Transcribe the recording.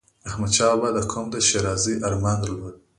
احمدشاه بابا د قوم د ښېرازی ارمان درلود.